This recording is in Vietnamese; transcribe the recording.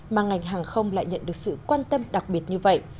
mà ngành hàng không lại nhận được sự quan tâm đặc biệt như vậy